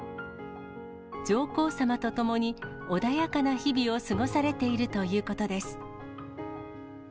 上皇さまとともに、穏やかな日々を過ごされているということです。